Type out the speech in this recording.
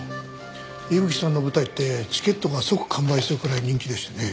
伊吹さんの舞台ってチケットが即完売するくらい人気でしてね。